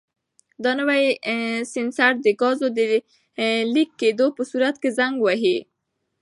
دا نوی سینسر د ګازو د لیک کېدو په صورت کې زنګ وهي.